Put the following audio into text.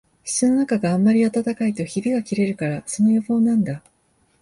室のなかがあんまり暖かいとひびがきれるから、その予防なんだ